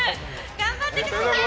頑張ってくださーい！